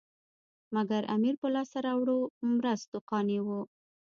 مګر امیر په لاسته راوړو مرستو قانع وو.